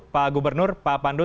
pak gubernur pak pandu